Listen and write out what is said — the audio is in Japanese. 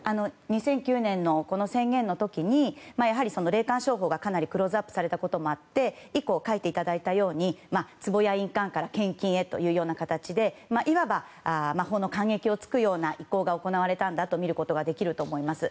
２００９年の宣言の時に霊感商法がかなりクローズアップされたこともあって以降、書いていただいたようにつぼや印鑑から献金へという形でいわば法の間隙を突くような移行が行われたとみることができると思います。